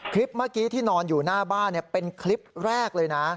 คลิปเมื่อกี้ที่นอนอยู่หน้าบ้านเป็นคลิปแรกเลยนะ